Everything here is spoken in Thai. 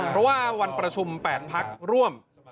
เพราะว่าวันประชุม๘พักร่วม